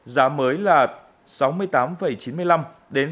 giá mới là sáu mươi tám chín mươi năm đến sáu mươi chín sáu mươi tám triệu đồng mỗi lượng